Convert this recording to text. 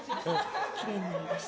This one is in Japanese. きれいになりました。